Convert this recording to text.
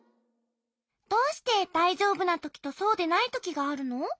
どうしてだいじょうぶなときとそうでないときがあるの？